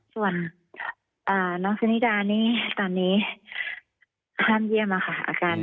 ส่วนน้องชนิดานี่ตอนนี้ห้ามเยี่ยมค่ะอาการ